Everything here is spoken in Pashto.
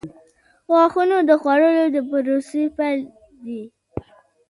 • غاښونه د خوړلو د پروسې پیل دی.